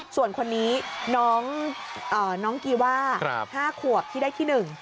ส่วนคนนี้น้องกีว่า๕ขวบที่ได้ที่๑